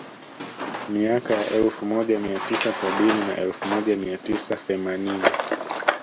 Miaka ya elfu moja mia tisa sabini na elfu moja mia tisa themanini